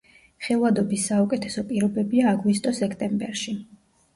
ხილვადობის საუკეთესო პირობებია აგვისტო-სექტემბერში.